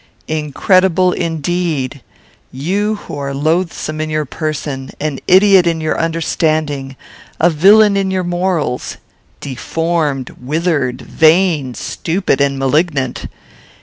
"Incredible, indeed! You, who are loathsome in your person, an idiot in your understanding, a villain in your morals! deformed! withered! vain, stupid, and malignant.